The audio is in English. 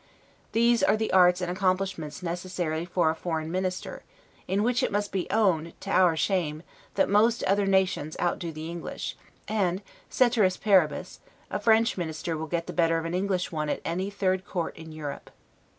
These are the arts and the accomplishments absolutely necessary for a foreign minister; in which it must be owned, to our shame, that most other nations outdo the English; and, 'caeteris paribus', a French minister will get the better of an English one at any third court in Europe.